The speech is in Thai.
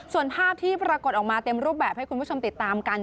ส่วนภาพที่ปรากฏออกมาเต็มรูปแบบให้คุณผู้ชมติดตามกัน